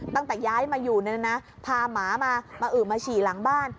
ตั้งแต่ย้ายมาอยู่เนี่ยนะพาหมามาอื่มมาฉี่หลังบ้าน